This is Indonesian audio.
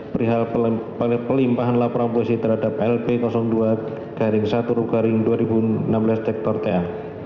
perihal penerima laporan polisi terhadap lp dua satu dua ribu enam belas direkt sektorta